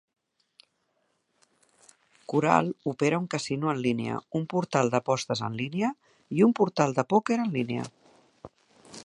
Coral opera un casino en línia, un portal d"apostes en línia i un portal de pòquer en línia.